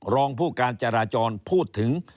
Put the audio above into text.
รองผู้การจราจรพูดถึง